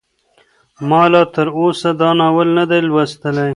ما لا تر اوسه دا ناول نه دی لوستلی.